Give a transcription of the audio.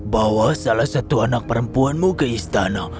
bawa salah satu anak perempuanmu ke istana